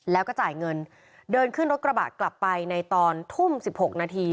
แล้วก็จ่ายเงินเดินขึ้นรถกระบะกลับไปในตอนทุ่ม๑๖นาที